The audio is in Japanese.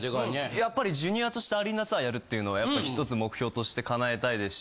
やっぱりＪｒ．としてアリーナツアーやるっていうのはやっぱひとつ目標として叶えたいですし。